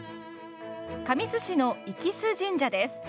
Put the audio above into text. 神栖市の息栖神社です。